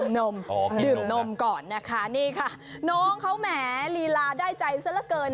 นมดื่มนมก่อนนะคะนี่ค่ะน้องเขาแหมลีลาได้ใจซะละเกิน